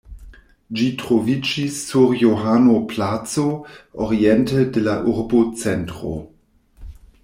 Ĝi troviĝis sur Johano-placo, oriente de la urbocentro.